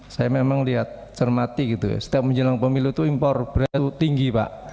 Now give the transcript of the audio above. saya memang lihat cermati gitu ya setiap menjelang pemilu itu impor beras itu tinggi pak